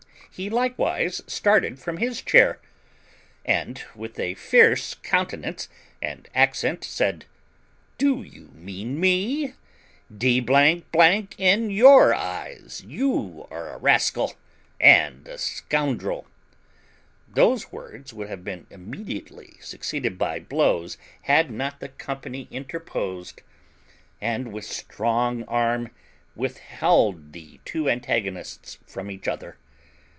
He likewise started from his chair, and, with a fierce countenance and accent, said, "Do you mean me? D n your eyes, you are a rascal and a scoundrel!" Those words would have been immediately succeeded by blows had not the company interposed, and with strong arm withheld the two antagonists from each other.